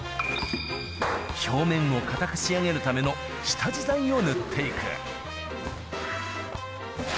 表面を硬く仕上げるための、下地材を塗っていく。